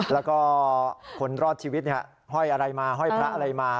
แล้วก็คนรอดชีวิตห้อยอะไรมาห้อยพระอะไรมา